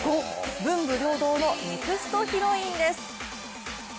文武両道のネクストヒロインです。